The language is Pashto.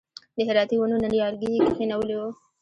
د هراتي ونو نیالګي یې کښېنولي و.